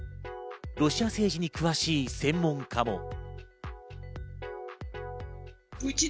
ロシア政治に詳しい専門家も。